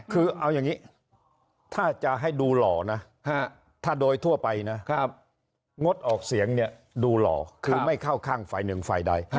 คือเอาอย่างนี้ถ้าจะให้ดูหล่อนะถ้าโดยทั่วไปนะงดออกเสียงเนี่ยดูหล่อคือไม่เข้าข้างฝ่ายหนึ่งฝ่ายใด